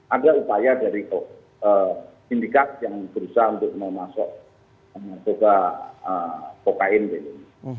ada upaya dari indikat yang berusaha untuk memasok coca cocain di sini